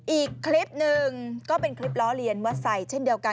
อีกคลิปหนึ่งก็เป็นคลิปล้อเลียนว่าใส่เช่นเดียวกัน